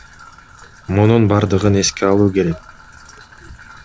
Мунун бардыгын эске алуу керек.